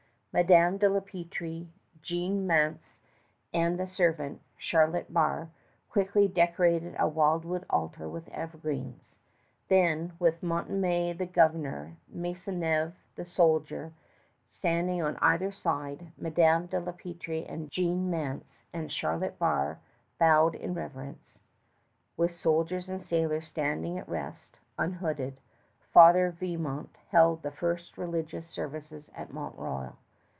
Madame de la Peltrie, Jeanne Mance, and the servant, Charlotte Barré, quickly decorated a wildwood altar with evergreens. Then, with Montmagny the Governor, and Maisonneuve the soldier, standing on either side, Madame de la Peltrie and Jeanne Mance and Charlotte Barré, bowed in reverence, with soldiers and sailors standing at rest unhooded, Father Vimont held the first religious services at Mont Royal.